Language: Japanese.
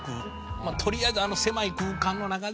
とりあえずあの狭い空間の中で。